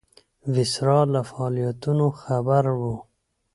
ویسرا له فعالیتونو خبر وو.